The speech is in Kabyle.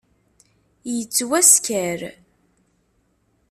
Yettwasker.